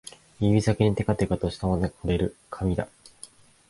指先にてかてかとしたものが触れる、紙だ